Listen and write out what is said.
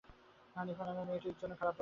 হানিফা নামের মেয়েটির জন্যে খারাপ লাগছে।